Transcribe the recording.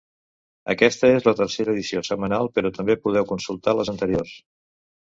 Aquesta és la tercera edició setmanal, però també podeu consultar les anteriors.